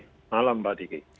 selamat malam mbak diki